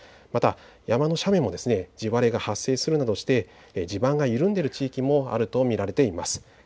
また山の斜面も地割れが発生するなどして地盤が緩んでいる地域もあると見られています。